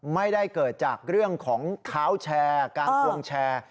ไม่ได้เกิดจากเรื่องของเท้าแชร์การทวงแชร์